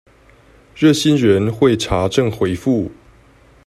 熱心人會查證回覆